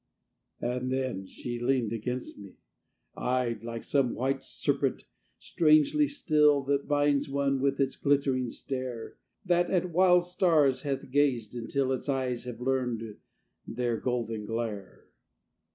And then she leaned against me, eyed Like some white serpent, strangely still, That binds one with its glittering stare, That at wild stars hath gazed until Its eyes have learned their golden glare.